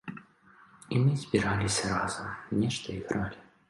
І мы збіраліся разам, нешта ігралі.